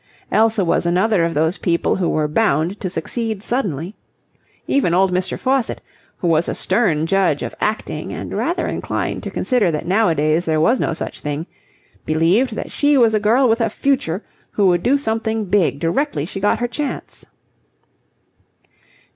Elsa was another of those people who were bound to succeed suddenly. Even old Mr. Faucitt, who was a stern judge of acting and rather inclined to consider that nowadays there was no such thing, believed that she was a girl with a future who would do something big directly she got her chance.